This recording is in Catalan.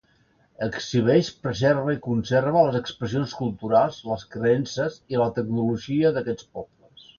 Exhibeix, preserva i conserva les expressions culturals, les creences i la tecnologia d'aquests pobles.